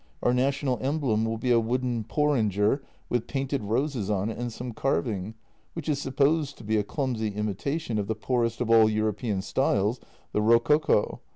Our national emblem will be a wooden porringer with painted roses on it and some carving, which is supposed to be a clumsy imitation of the poorest of all European styles, the rococo.